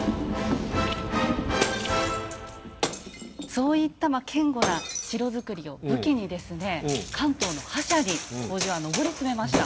そういったまあ堅固な城造りを武器にですね関東の覇者に北条は上り詰めました。